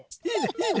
いいね！